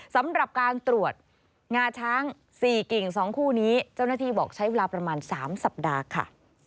สำหรับการตรวจงาช้าง๔กิ่ง๒คู่นี้เจ้าหน้าที่บอกใช้เวลาประมาณ๓สัปดาห์ค่ะ